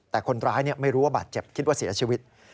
แต่คนร้ายไม่รู้ว่าบาดเจ็บคิดว่าเสียชีวิต